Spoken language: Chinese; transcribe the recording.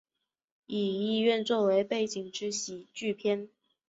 以医院作为背景之喜剧片。